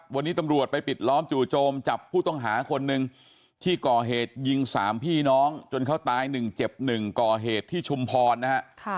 วันนี้ตำรวจไปปิดล้อมจู่โจมจับผู้ต้องหาคนหนึ่งที่ก่อเหตุยิง๓พี่น้องจนเขาตาย๑เจ็บ๑ก่อเหตุที่ชุมพรนะฮะ